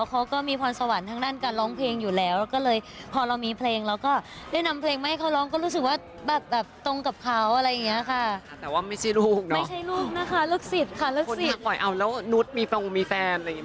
คนพี่อยากหล่อเอาแล้วนุฏมีแฟนอะไรอย่างนี้ไหมคะ